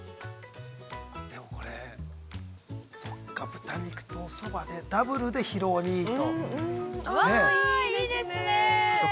◆そうか、豚肉とおそばね、ダブルで疲労にいいと。